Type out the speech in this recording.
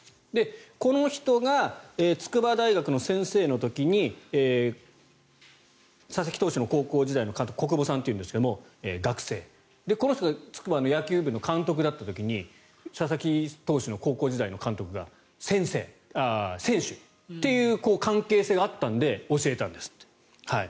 この人が筑波大学の先生の時に佐々木投手の高校時代の国保さんっていうんですがこの人が筑波の野球部の監督だった時に佐々木投手の高校時代の監督が選手という関係性があったので教えたんですって。